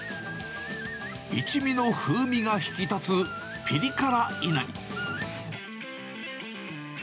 一味の風味が引き立つ、ぴり辛いなり。